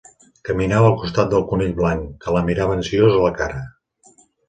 Caminava al costat del Conill Blanc, que la mirava ansiós a la cara.